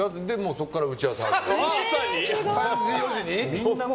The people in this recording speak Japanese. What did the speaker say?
そこから打ち合わせ始まる。